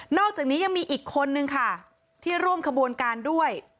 อกจากนี้ยังมีอีกคนนึงค่ะที่ร่วมขบวนการด้วย